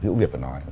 hữu việt phải nói